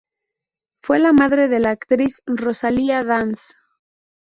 Fue la madre de la actriz Rosalía Dans.